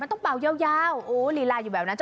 ต้องเปายาวรีลายอยู่แบบนั้น